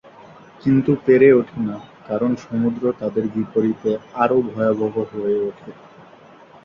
কিন্তু পেরে ওঠে না, কারণ সমুদ্র তাদের বিপরীতে আরো ভয়াবহ হয়ে ওঠে।